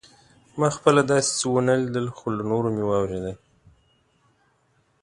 ما خپله داسې څه ونه لیدل خو له نورو مې واورېدل.